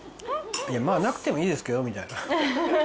いやまぁなくてもいいですけどみたいな。